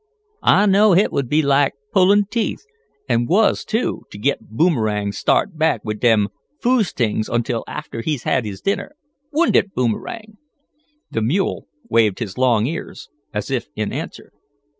I know hit would be laik pullin' teeth an' wuss too, t' git Boomerang t' start back wid dem foosd t'ings until after he's had his dinner. Wouldn't it, Boomerang?" The mule waved his long ears as if in answer.